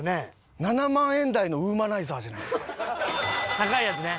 高いやつね。